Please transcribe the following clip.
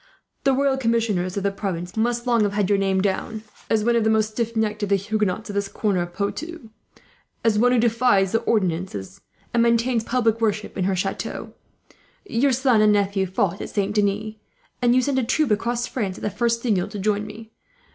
The royal commissioners of the province must long have had your name down, as the most stiff necked of the Huguenots of this corner of Poitou, as one who defies the ordinances, and maintains public worship in her chateau. Your son and nephew fought at Saint Denis; and you sent a troop across France, at the first signal, to join me.